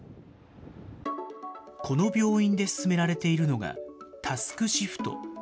この病院で進められているのが、タスクシフト。